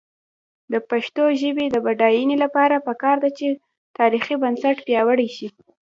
د پښتو ژبې د بډاینې لپاره پکار ده چې تاریخي بنسټ پیاوړی شي.